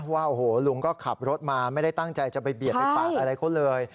ว่าโอ้โหลุงก็ขับรถมาไม่ได้ตั้งใจจะไปเบียดไปปาดอะไรเขาเลย